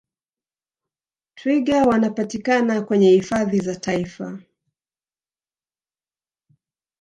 twiga Wanapatikana kwenye hifadhi za taifa